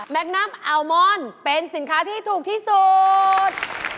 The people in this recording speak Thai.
คนัมอัลมอนเป็นสินค้าที่ถูกที่สุด